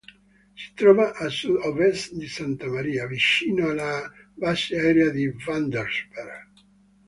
Si trova a Sud-Ovest di Santa Maria, vicino alla base aerea di Vandenberg.